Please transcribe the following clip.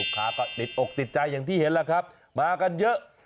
ค้าก็ติดอกติดใจอย่างที่เห็นแหละครับมากันเยอะ